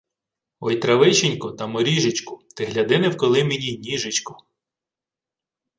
«Ой травиченько, та моріжечку, ти гляди не вколи мені й ніжечку...»